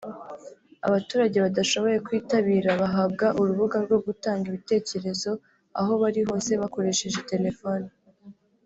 Abaturage badashoboye kuyitabira bahabwa urubuga rwo gutanga ibitekerezo aho bari hose bakoresheje telefoni